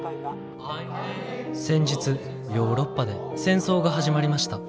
「先日ヨーロッパで戦争が始まりました。